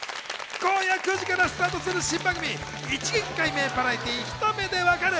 今夜９時からスタートする新番組『一撃解明バラエティひと目でわかる！！』。